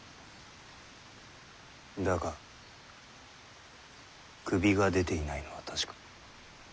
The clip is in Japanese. だが首が出ていないのは確か。